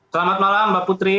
selamat malam mbak putri